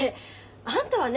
あんたはね